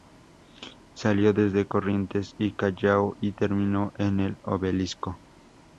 Salió desde Corrientes y Callao y terminó en el Obelisco.